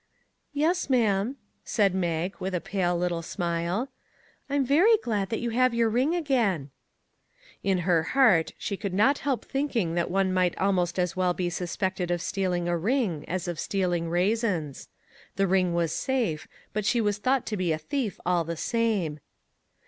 " Yes, ma'am," said Mag, with a pale little smile; " I'm very glad that you have your ring again." 131 MAG AND MARGARET In her heart she could not help thinking that one might almost as well be suspected of steal ing a ring as of stealing raisins. The ring was safe, but she was thought to be a thief all the same.